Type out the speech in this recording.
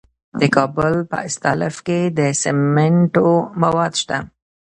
د کابل په استالف کې د سمنټو مواد شته.